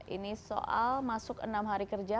ini soal masuk enam hari kerja